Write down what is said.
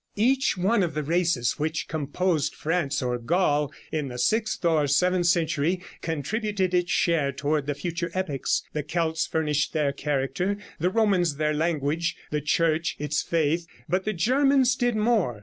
"Each one of the races which composed France or Gaul in the sixth or seventh century, contributed its share toward the future epics. The Celts furnished their character, the Romans their language, the Church its faith; but the Germans did more.